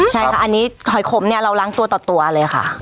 ใช่ค่ะอันนี้หอยขมเนี่ยเราล้างตัวต่อตัวเลยค่ะ